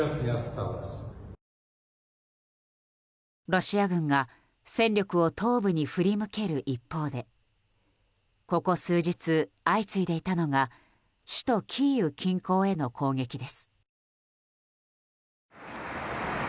ロシア軍が戦力を東部に振り向ける一方でここ数日、相次いでいたのが首都キーウ近郊への攻撃です。